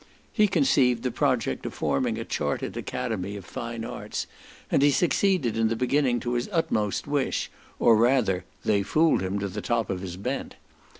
He conceived the project of forming a chartered academy of fine arts; and he succeeded in the beginning to his utmost wish, or rather, "they fooled him to the top of his bent."